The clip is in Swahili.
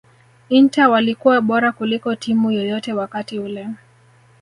Inter walikuwa bora kuliko timu yoyote wakati ule